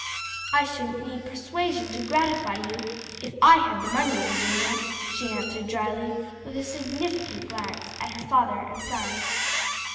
"I shouldn't need persuasion to gratify you, if I had the money, Virginia," she answered dryly, and with a significant glance at her father and sons.